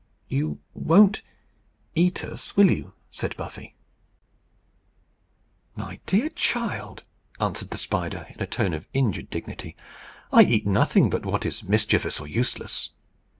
"You won't eat us, will you?" said Buffy. "My dear child," answered the spider, in a tone of injured dignity, "I eat nothing but what is mischievous or useless.